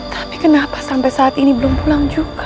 tapi kenapa sampai saat ini belum pulang juga